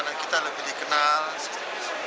jadi kita inginnya mempromosikan posisi kita saat ini